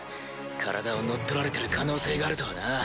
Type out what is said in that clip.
体を乗っ取られてる可能性があるとはな。